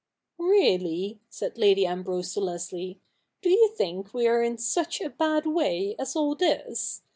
' Really,' said Lady Ambrose to Leslie, ' do you think we are in such a bad way as all this